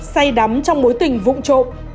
say đắm trong mối tình vụn trộm